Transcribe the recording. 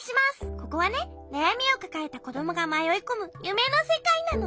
ここはねなやみをかかえたこどもがまよいこむゆめのせかいなの。